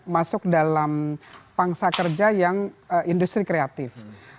masuk dalam pangsa kerja yang industri kreatif